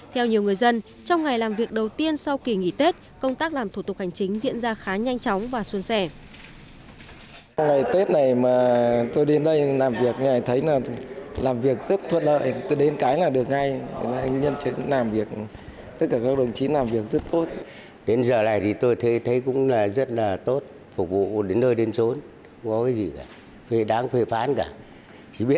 theo nhiều người dân trong ngày làm việc đầu tiên sau kỳ nghỉ tết công tác làm thủ tục hành chính diễn ra khá nhanh chóng và xuân sẻ